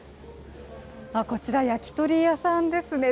こちら、焼き鳥屋さんですね。